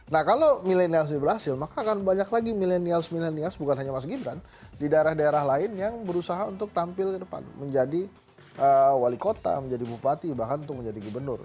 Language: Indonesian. nah kalau milenial berhasil maka akan banyak lagi milenials milenials bukan hanya mas gibran di daerah daerah lain yang berusaha untuk tampil ke depan menjadi wali kota menjadi bupati bahkan untuk menjadi gubernur